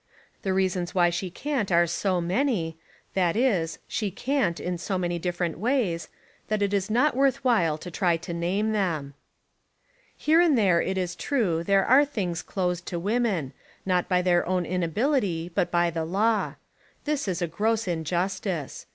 The reasons why she can't are so many, that Is, she "can't" in so many different ways, that it Is not worth while to try to name them. Here and there it Is true there are things closed to women, not by their own Inability but by the law. This Is a gross injustice.